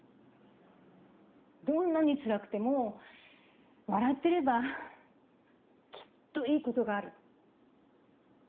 どんなにつらくても笑ってればきっといいことがある。